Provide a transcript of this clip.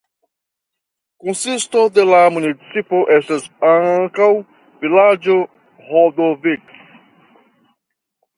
Konsisto de la municipo estas ankaŭ vilaĝo Hodoviz.